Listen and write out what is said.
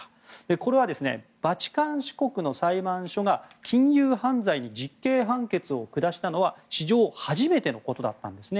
これはバチカン市国の裁判所が金融犯罪に実刑判決を下したのは史上初めてのことだったんですね。